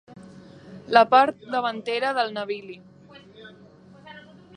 La part davantera del navili.